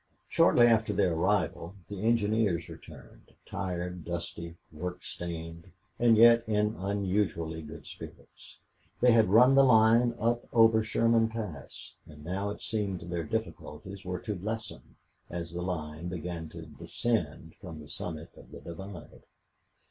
Shortly after their arrival the engineers returned, tired, dusty, work stained, and yet in unusually good spirits. They had run the line up over Sherman Pass, and now it seemed their difficulties were to lessen as the line began to descend from the summit of the divide.